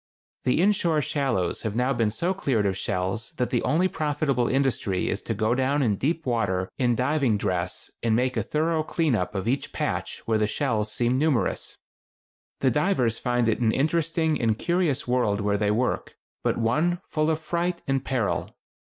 The inshore shallows have now been so cleared of shells that the only profitable industry is to go down in deep water in diving dress and make a thorough clean up of each "patch" where the shells seem numerous. The divers find it an interesting and curious world where they work, but one full of fright and peril.